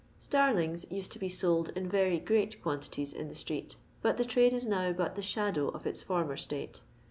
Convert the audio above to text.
Starlingt used to be sold in very great qnanti ties in the streeu, but the trade is now bnt the shadow of its former state.